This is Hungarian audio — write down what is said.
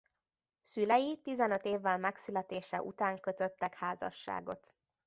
Szülei tizenöt évvel megszületése után kötöttek házasságot.